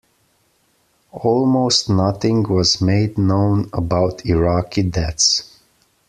Almost nothing was made known about Iraqi deaths.